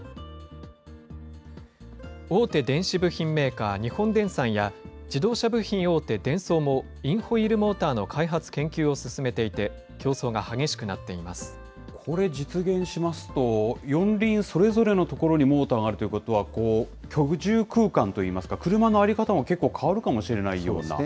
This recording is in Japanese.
大手電子部品メーカー、日本電産や、自動車部品大手、デンソーも、インホイールモーターの開発・研究を進めていて、競争が激しくなこれ、実現しますと、四輪それぞれの所にモーターがあるということは、居住空間といいますか、車の在り方も結構変わるかもしれないような。